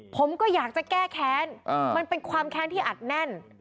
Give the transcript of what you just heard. ผมก็อยากจะแก้แค้นมันเป็นความแค้นที่อัดแน่น